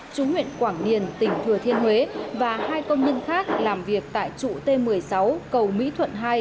tỉnh quảng niền tỉnh thừa thiên huế và hai công nhân khác làm việc tại trụ t một mươi sáu cầu mỹ thuận hai